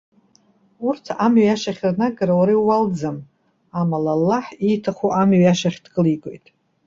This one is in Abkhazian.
Урҭ амҩа иашахь рнагара уара иууалӡам, амала, Аллаҳ ииҭаху амҩа иашахь дкылигоит.